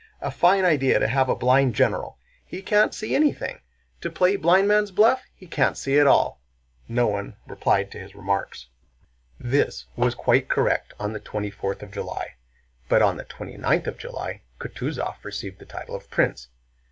A fine idea to have a blind general! He can't see anything. To play blindman's bulff? He can't see at all!" No one replied to his remarks. This was quite correct on the twenty fourth of July. But on the twenty ninth of July Kutúzov received the title of Prince.